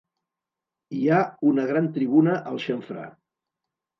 Hi ha una gran tribuna al xamfrà.